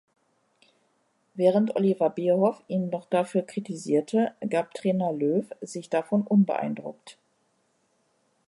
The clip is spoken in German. Während Oliver Bierhoff ihn noch dafür kritisierte, gab Trainer Löw sich davon unbeeindruckt.